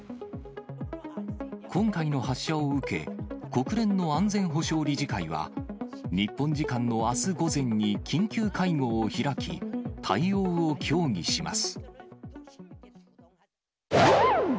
今回の発射を受け、国連の安全保障理事会は、日本時間のあす午前に緊急会合を開き、対応を協議します。